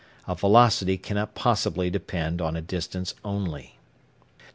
A velocity cannot possibly depend on a distance only.